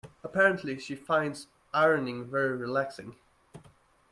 Apparently, she finds ironing very relaxing.